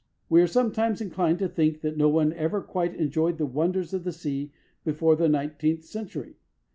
We are sometimes inclined to think that no one ever quite enjoyed the wonders of the sea before the nineteenth century.